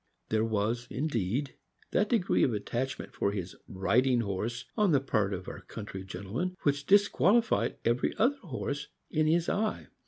There was, indeed, that degree of attachment for his "riding horse" on the part of our country gentleman which disqualified every other horse, in his eye.